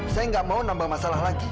saya nggak mau nambah masalah lagi